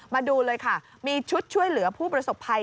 มาดูเลยค่ะมีชุดช่วยเหลือผู้ประสบภัย